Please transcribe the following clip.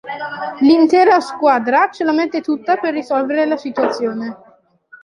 L'intera "squadra" ce la mette tutta per risolvere la situazione.